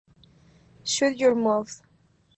Shut Your Mouth".